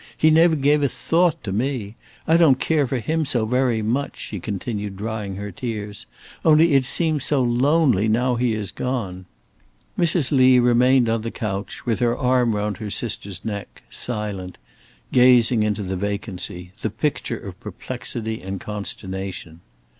he never gave a thought to me. I don't care for him so very much," she continued, drying her tears; "only it seems so lonely now he is gone." Mrs. Lee remained on the couch, with her arm round her sister's neck, silent, gazing into vacancy, the picture of perplexity and consternation.